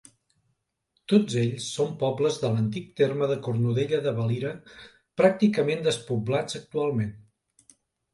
Tots ells són pobles de l'antic terme de Cornudella de Valira pràcticament despoblats actualment.